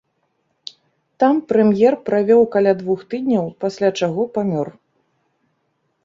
Там прэм'ер правёў каля двух тыдняў, пасля чаго памёр.